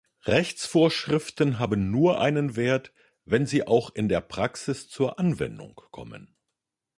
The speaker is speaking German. Rechtsvorschriften haben nur einen Wert, wenn sie auch in der Praxis zur Anwendung kommen.